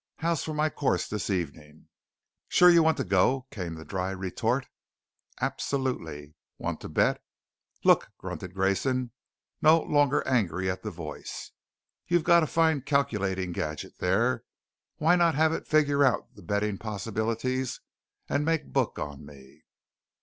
"How's for my course this evening?" "Sure you want to go?" came the dry retort. "Absolutely." "Want to bet?" "Look," grunted Grayson, no longer angry at the voice, "you've got a fine calculating gadget there. Why not have it figure out the betting possibilities and make book on me?"